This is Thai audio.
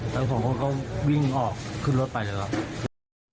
แล้วพวกเขาก็วิ่งออกขึ้นรถไปแล้วอ่ะ